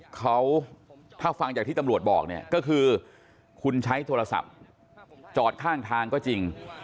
เขาถ้าฟังจากที่ตำรวจบอกเนี่ยก็คือคุณใช้โทรศัพท์จอดข้างทางก็จริง